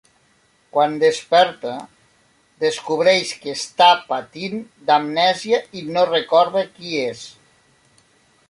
Quan desperta, descobreix que està patint d'amnèsia i no recorda qui és.